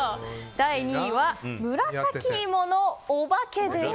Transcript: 第２位は紫芋のおばけです。